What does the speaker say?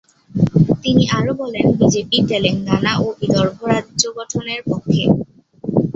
তিনি আরও বলেন, বিজেপি তেলেঙ্গানা ও বিদর্ভ রাজ্য গঠনের পক্ষে।